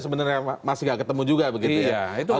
sebenarnya masih gak ketemu juga begitu ya